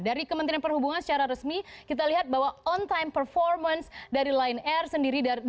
dari kementerian perhubungan secara resmi kita lihat bahwa on time performance dari lion air sendiri